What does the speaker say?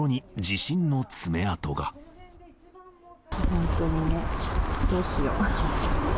本当にね、どうしよう。